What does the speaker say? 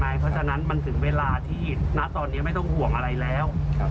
เพราะฉะนั้นมันถึงเวลาที่ณตอนนี้ไม่ต้องห่วงอะไรแล้ว